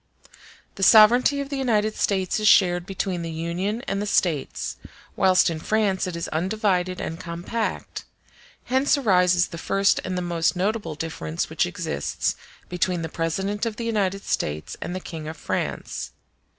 The sovereignty of the United States is shared between the Union and the States, whilst in France it is undivided and compact: hence arises the first and the most notable difference which exists between the President of the United States and the King of France.